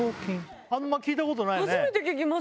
あんま聞いたことないね。